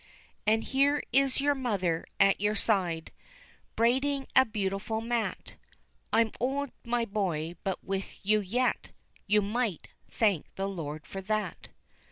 And here is your mother at your side, Braiding a beautiful mat, I'm old, my boy, but with you yet You might thank the Lord for that.